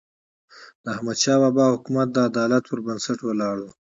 د احمدشاه بابا حکومت د عدالت پر بنسټ ولاړ و.